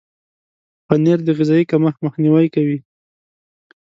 پنېر د غذایي کمښت مخنیوی کوي.